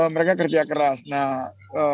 mereka kerja keras nah